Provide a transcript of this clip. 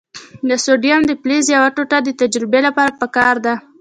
د سوډیم د فلز یوه ټوټه د تجربې لپاره پکار ده.